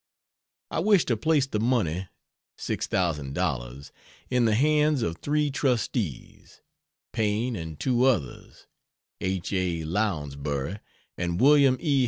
I wish to place the money $6,000.00 in the hands of three trustees, Paine and two others: H. A. Lounsbury and William E.